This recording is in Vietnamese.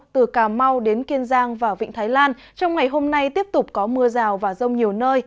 từ cà mau đến kiên giang và vịnh thái lan trong ngày hôm nay tiếp tục có mưa rào và rông nhiều nơi